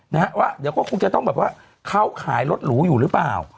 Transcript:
นะฮะว่าเดี๋ยวก็คงจะต้องแบบว่าเขาขายรถหรูอยู่หรือเปล่า